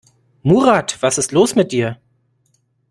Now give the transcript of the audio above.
Murat, was ist los mit dir?